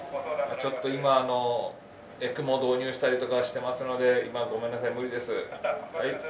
ちょっと今、ＥＣＭＯ導入したりとかしてますので、今はごめんなさい、無理です。